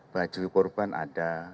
baju korban ada